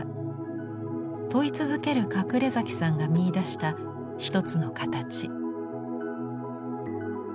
問い続ける隠さんが見いだした一つの形。